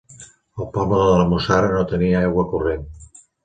El poble de la Mussara no tenia aigua corrent.